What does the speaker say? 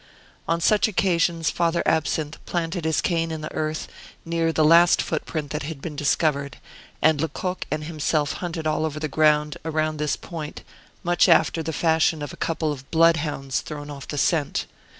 On such occasions Father Absinthe planted his cane in the earth, near the last footprint that had been discovered, and Lecoq and himself hunted all over the ground around this point, much after the fashion of a couple of bloodhounds thrown off the scent.